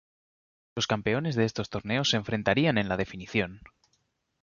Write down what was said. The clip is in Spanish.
Los campeones de estos torneos se enfrentarían en la definición.